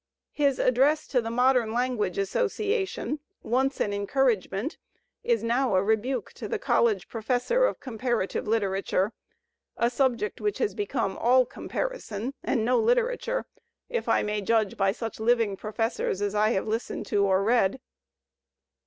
His address to the Modem Language Association, once an encouragement, is now a rebuke to the college professor of comparative literature, a subject which has become all comparison and no literature, if I Digitized by Google 204 THE SPIRIT OP AMERICAN LITERATURE may judge by such living professors as I have listened to or read.